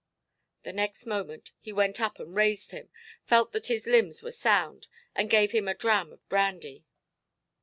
The next moment, he went up and raised him, felt that his limbs were sound, and gave him a dram of brandy.